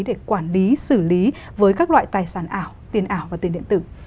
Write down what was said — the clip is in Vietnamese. để quản lý xử lý với các loại tài sản ảo tiền ảo và tiền điện tử